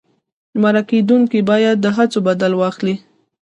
مرکه کېدونکی باید د هڅو بدل واخلي.